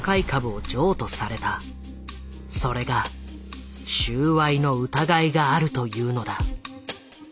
それが収賄の疑いがあるというのだ。